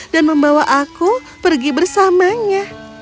dan membawa aku pergi bersamanya